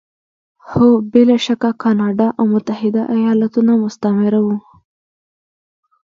هو! بې له شکه کاناډا او متحده ایالتونه مستعمره وو.